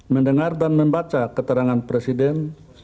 mendengar dan membaca keterangan presiden